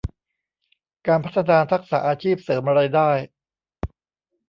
การพัฒนาทักษะอาชีพเสริมรายได้